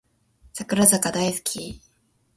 櫻坂大好き